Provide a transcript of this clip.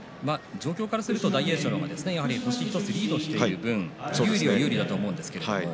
状況からすると大栄翔の方が星１つリードしている分有利だと思います。